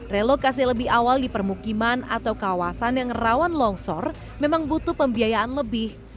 relokasi lebih awal di permukiman atau kawasan yang rawan longsor memang butuh pembiayaan lebih